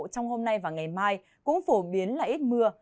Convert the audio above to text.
trong hôm nay và ngày mai cũng phổ biến là ít mưa